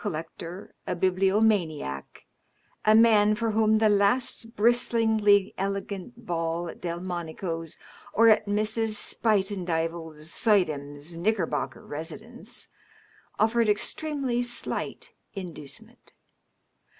collector^ a bibliomaniac^ a man for whom the last bristlingly el^ant ball at Delmonioo's or at Mrs. Spuytenduyvil Suydam's Knickerbocker residence offered extremely slight inducement.